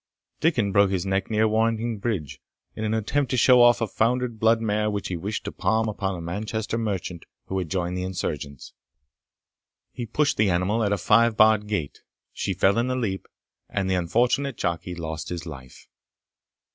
Dickon broke his neck near Warrington Bridge, in an attempt to show off a foundered blood mare which he wished to palm upon a Manchester merchant who had joined the insurgents. He pushed the animal at a five barred gate; she fell in the leap, and the unfortunate jockey lost his life.